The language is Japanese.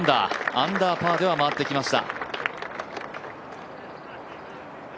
アンダーパーでは回ってきました。